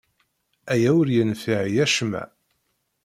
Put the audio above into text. Aya ur yenfiɛ i acemma.